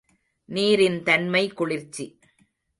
நீரின் தன்மை குளிர்ச்சி.